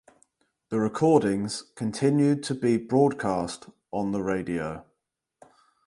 The recordings continued to be broadcast on the radio.